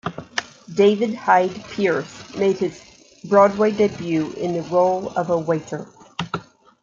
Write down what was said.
David Hyde Pierce made his Broadway debut in the role of a waiter.